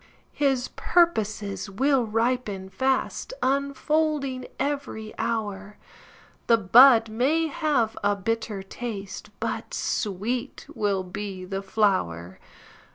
His purposes will ripen fast, Unfolding every hour; The bud may have a bitter taste, But sweet will be the flower.